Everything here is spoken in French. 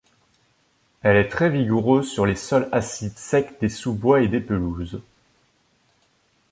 Elle est très vigoureuse sur les sols acides secs des sous-bois et des pelouses.